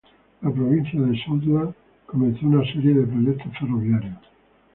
La provincia de Southland comenzó una serie de proyectos ferroviarios.